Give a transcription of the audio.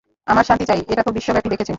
আমরা শান্তি চাই এটাতো বিশ্ববাসী দেখেছে।